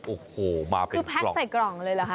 โอ้โฮมาเป็นกล่องคือแพ็คใส่กล่องเลยหรือคะ